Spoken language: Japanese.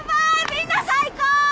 みんな最高！